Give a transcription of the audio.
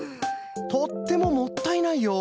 とってももったいないよ！